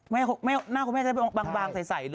หน้าคุณแม่ก็ได้บางใส